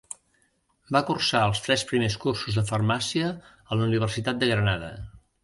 Va cursar els tres primers cursos de Farmàcia a la Universitat de Granada.